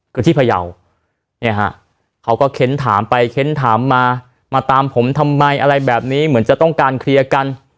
คือที่พยาวเนี่ยฮะเขาก็เค้นถามไปเค้นถามมามาตามผมทำไมอะไรแบบนี้เหมือนจะต้องการเคลียร์กัน